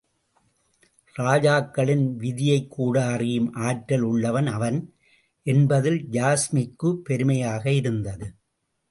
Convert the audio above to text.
ராஜாக்களின் விதியைக்கூட அறியும் ஆற்றல் உள்ளவன் அவன் என்பதில் யாஸ்மிக்குப் பெருமையாக இருந்தது.